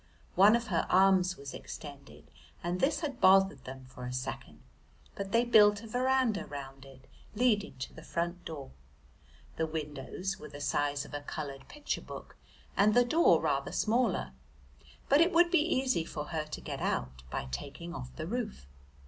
One of her arms was extended and this had bothered them for a second, but they built a verandah round it, leading to the front door. The windows were the size of a coloured picture book and the door rather smaller, but it would be easy for her to get out by taking off the roof.